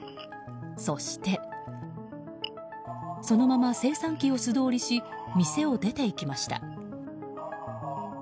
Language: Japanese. そしてそのまま精算機を素通りし店を出て行きました。